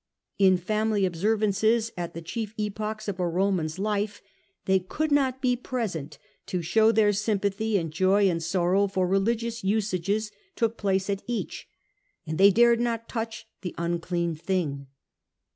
In the family observances at the chief epochs of a Roman's life they could not be present to show their sympathy in joy and sorrow, for religious usages took place at each, and they dared not touch the unclean thing.